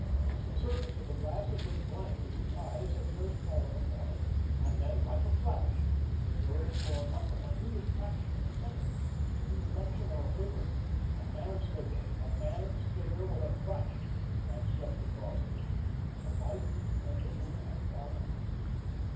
The surface of the glass had been blank as his eyes had first fallen upon it, and then, like a flash, enduring for but the minutest fraction of a second, the reflection of a figure, a man's figure, a man's figure with a crutch, had swept across it—and the light in the other room had gone out.